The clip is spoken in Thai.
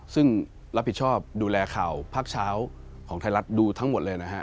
ซึ่งรับผิดชอบดูแลข่าวภาคเช้าของไทยรัฐดูทั้งหมดเลยนะฮะ